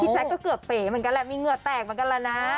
แจ๊คก็เกือบเป๋เหมือนกันแหละมีเหงื่อแตกเหมือนกันแล้วนะ